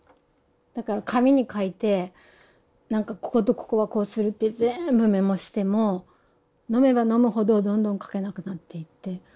だから紙に書いてこことここはこうするって全部メモしても飲めば飲むほどどんどん描けなくなっていって。